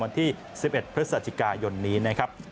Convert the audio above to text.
วันที่๑๑พฤษฐการณ์ยนต์นี้นะครับ